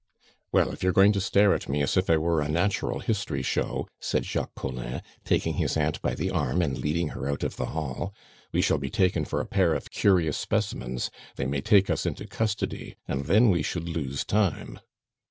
"Well, if you are going to stare at me as if I were a natural history show," said Jacques Collin, taking his aunt by the arm and leading her out of the hall, "we shall be taken for a pair of curious specimens; they may take us into custody, and then we should lose time."